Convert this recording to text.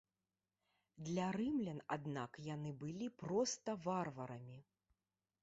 Для рымлян аднак яны былі проста варварамі.